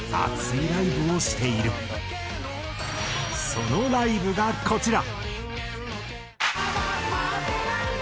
そのライブがこちら。